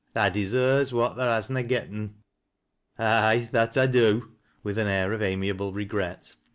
" Tha deserves what tha has na gotten." " Aye, that I do," with an air of amiable regret.